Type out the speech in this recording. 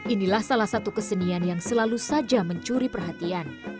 inilah salah satu kesenian yang selalu saja mencuri perhatian